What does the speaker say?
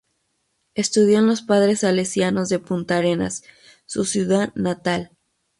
Estudió en los Padres Salesianos de Punta Arenas, su ciudad natal.